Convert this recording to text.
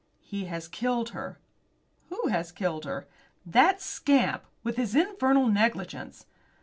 "He has killed her." "Who has killed her?" "That scamp; with his infernal negligence."